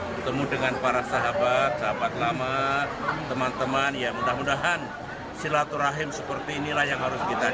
bertemu dengan para sahabat sahabat lama teman teman ya mudah mudahan silaturahim seperti inilah yang harus kita jaga